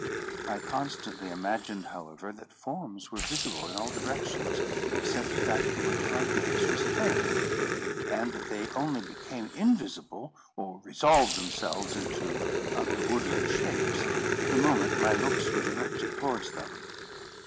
I constantly imagined, however, that forms were visible in all directions except that to which my gaze was turned; and that they only became invisible, or resolved themselves into other woodland shapes, the moment my looks were directed towards them.